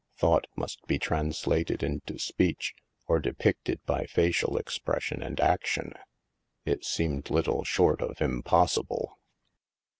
Thought must be translated into speech, or depicted by facial expression and action. It seemed little short of impossible.